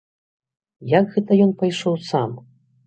Як гэта ён пайшоў сам?